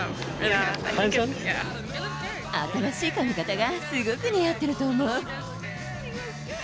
新しい髪形がすごく似合っていいと思う。